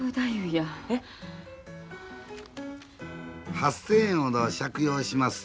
「８千円ほど借用します。